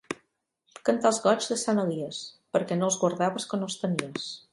Cantar els goigs de Sant Elies, perquè no els guardaves quan els tenies.